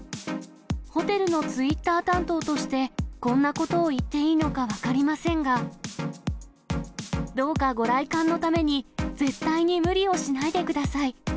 ホテルのツイッター担当としてこんなことを言っていいのか分かりませんが、どうかご来館のために、絶対に無理をしないでください。